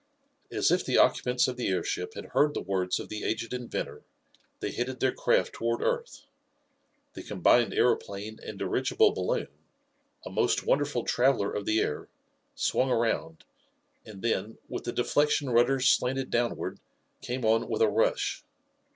As if the occupants of the airship had heard the words of the aged inventor, they headed their craft toward earth. The combined aeroplane and dirigible balloon, a most wonderful traveler of the air, swung around, and then, with the deflection rudders slanted downward, came on with a rush.